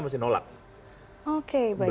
masih nolak oke baik